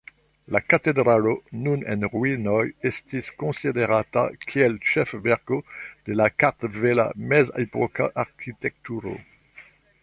La katedralo, nun en ruinoj, estis konsiderata kiel ĉefverko de la kartvela mezepoka arkitekturo.